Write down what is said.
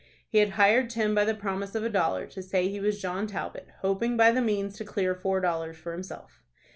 He had hired Tim by the promise of a dollar to say he was John Talbot, hoping by the means to clear four dollars for himself.